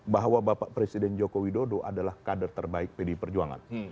bahwa bapak presiden joko widodo adalah kader terbaik pdi perjuangan